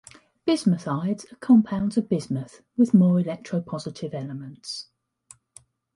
Bismuthides are compounds of bismuth with more electropositive elements.